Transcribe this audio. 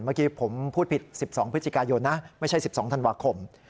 เมื่อกี้ผมพูดผิด๑๒พฤศจิกายนนะไม่ใช่๑๒ธันวาคม